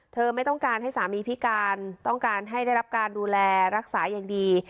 ไม่ต้องการให้สามีพิการต้องการให้ได้รับการดูแลรักษาอย่างดี